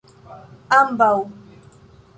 ambaŭ